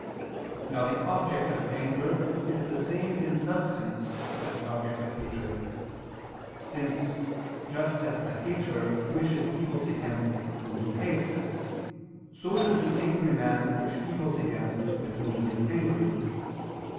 Now the object of anger is the same in substance as the object of hatred; since, just as the hater wishes evil to him whom he hates, so does the angry man wish evil to him with whom he is angry.